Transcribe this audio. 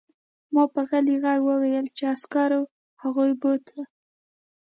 ما په غلي غږ وویل چې عسکرو هغوی بوتلل